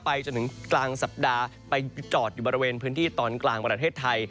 จนถึงกลางสัปดาห์ไปจอดอยู่บริเวณพื้นที่ตอนกลางประเทศไทย